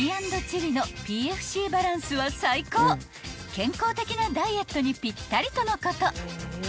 ［健康的なダイエットにぴったりとのこと］